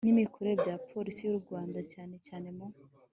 n imikorere bya polisi y u rwanda cyane cyane mu